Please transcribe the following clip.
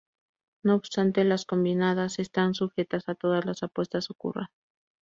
No obstante, las combinadas están sujetas a que todas las apuestas ocurran.